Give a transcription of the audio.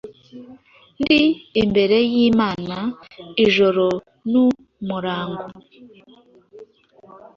Ndi imbere y'Imana ijoro n'umurango,